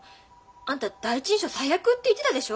あんた第一印象最悪って言ってたでしょ？